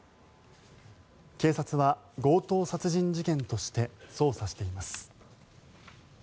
警察は強盗殺人事件として捜査しています。